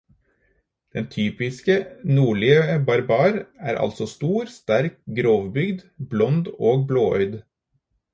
Den typiske nordlige barbar er altså stor, sterk, grovbygd, blond og blåøyd.